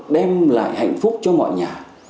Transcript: đem lại hạnh phúc cho mọi nhà